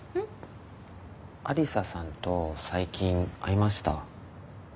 アリサさんと最近会いました？